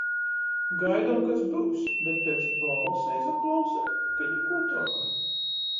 Gaidom, kas byus, bet piec bolsa izaklausa, ka nikuo troka.